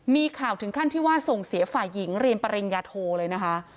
มีข่าวถึงขั้นที่ว่าส่งเสียฝ่ายหญิงเรียนปริญญาโทเลยนะคะ